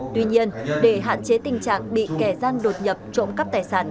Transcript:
tuy nhiên để hạn chế tình trạng bị kẻ gian đột nhập trộm cắp tài sản